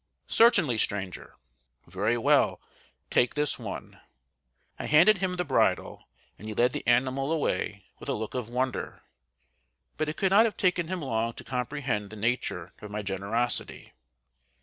"Certainly, stranger." "Very well, take this one." I handed him the bridle, and he led the animal away with a look of wonder; but it could not have taken him long to comprehend the nature of my generosity.